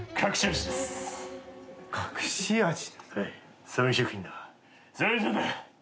隠し味。